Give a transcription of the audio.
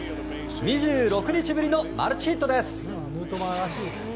２６日ぶりのマルチヒットです。